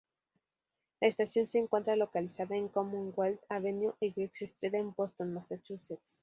La estación se encuentra localizada en Commonwealth Avenue y Griggs Street en Boston, Massachusetts.